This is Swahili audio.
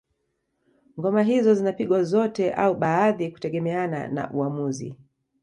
Ngoma hizo zinapigwa zote au baadhi kutegemeana na uamuzi